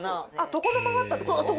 床の間があったってこと？